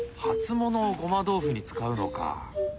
初物をごま豆腐に使うのか。